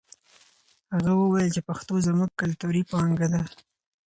هغه وویل چې پښتو زموږ کلتوري پانګه ده.